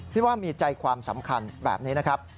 ที่ว่ามีใจความสำคัญแบบนี้นะครับ